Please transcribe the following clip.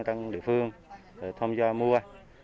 trong địa phương thông do mua